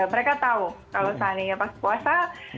mereka tahu kalau saat ini pas puasa